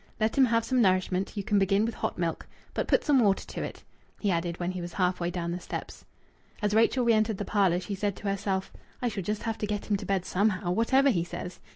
"Let him have some nourishment. You can begin with hot milk but put some water to it," he added when he was half way down the steps. As Rachel re entered the parlour she said to herself: "I shall just have to get him to bed somehow, whatever he says!